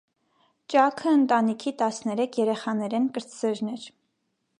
Ճաքը ընտանիքի տասներեք երեխաներէն կրտսերն էր։